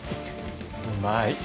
うまい。